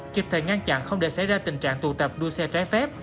kịp thời ngăn chặn không để xảy ra tình trạng tụ tập đua xe trái phép